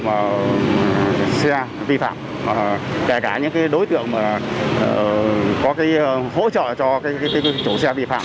những cái xe vi phạm kể cả những đối tượng có hỗ trợ cho cái chỗ xe vi phạm